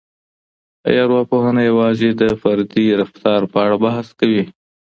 آیا ارواپوهنه یوازې د فردي رفتار په اړه بحث کوي؟